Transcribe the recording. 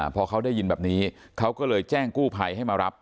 พอเขาได้ยินแบบนี้เขาก็เลยแจ้งกู้ภัยให้มารับ